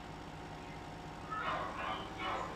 格罗塞费恩是德国下萨克森州的一个市镇。